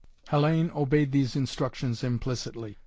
Hellayne obeyed these instructions implicitly.